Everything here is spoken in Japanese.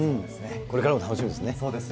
これからも楽しみですね。